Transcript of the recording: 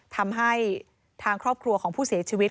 ทำให้ทางครอบครัวของผู้เสียชีวิต